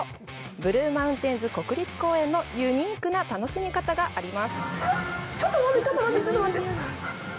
ブルーマウンテンズ国立公園のユニークな楽しみ方があります。